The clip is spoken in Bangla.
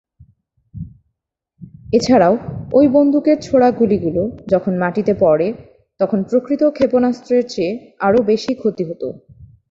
এছাড়াও, ওই বন্দুকের ছোঁড়া গুলি গুলো যখন মাটিতে পড়ে তখন প্রকৃত ক্ষেপণাস্ত্রের চেয়ে আরও বেশি ক্ষতি হত।